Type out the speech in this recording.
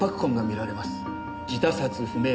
自他殺不明。